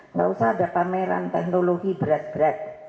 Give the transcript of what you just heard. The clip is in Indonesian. nggak usah ada pameran teknologi berat berat